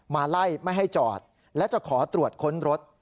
มาไล่ไม่ให้จอดและจะขอตรวจค้นรถ